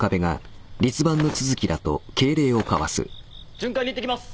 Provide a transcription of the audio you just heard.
巡回に行ってきます。